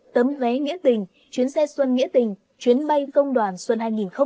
tấm vé nghĩa tình chuyến xe xuân nghĩa tình chuyến bay công đoàn xuân hai nghìn hai mươi bốn